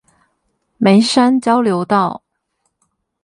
梅山交流道